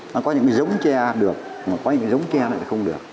nó có những cái giống tre được mà có những giống tre lại không được